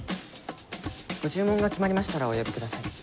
ご注文が決まりましたらお呼びください。